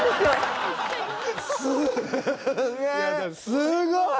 すごい！